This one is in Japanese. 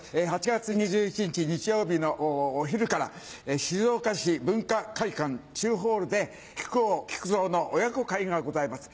８月２１日日曜日のお昼から静岡市民文化会館中ホールで木久扇・木久蔵の親子会がございます。